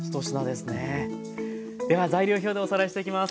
では材料表でおさらいしていきます。